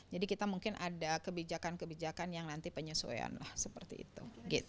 jadi kita mungkin ada kebijakan kebijakan yang nanti penyesuaian lah seperti itu